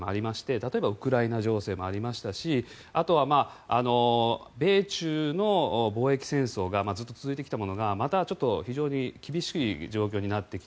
例えばウクライナ情勢もありましたしあとは米中の貿易戦争がずっと続いてきたものがまた非常に厳しい状況になってきて